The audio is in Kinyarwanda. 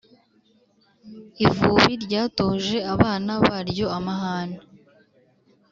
ivubi ryatoje abana baryo amahane